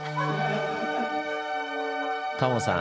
タモさん